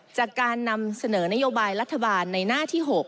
จากการนำเสนอนโยบายรัฐบาลในหน้าที่๖